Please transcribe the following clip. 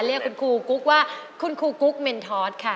เรียกคุณครูกุ๊กว่าคุณครูกุ๊กเมนทอสค่ะ